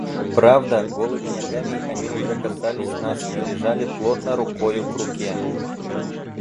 Правда, голыми ногами они уже касались нас и лежали плотно рукою к руке.